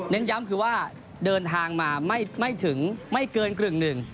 เน้นย้ำคือว่าเดินทางมาไม่เกินกลึ่งหนึ่ง